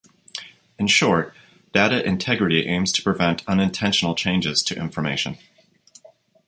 In short, data integrity aims to prevent unintentional changes to information.